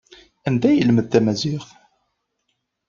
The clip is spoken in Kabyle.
Anda ay yelmed tamaziɣt?